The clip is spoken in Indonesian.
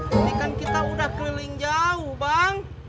ini kan kita udah keliling jauh bang